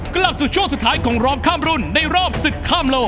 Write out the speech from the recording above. กลับสู่ช่วงสุดท้ายของร้องข้ามรุ่นในรอบศึกข้ามโลก